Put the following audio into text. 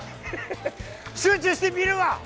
集中して見るわ！